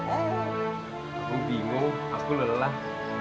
aku bingung aku lelah